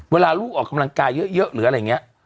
เวลาลูกออกกำลังกายเยอะหรืออะไรอย่างนี้